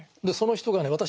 その人がね